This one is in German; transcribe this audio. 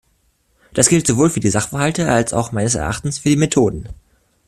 Das gilt sowohl für die Sachverhalte als auch meines Erachtens für die Methoden.